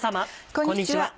こんにちは。